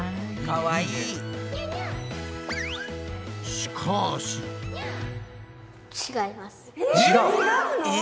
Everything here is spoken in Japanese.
かわいい。え！？